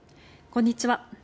こんにちは。